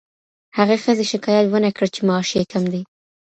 هغې ښځې شکایت ونه کړ چې معاش یې کم دی.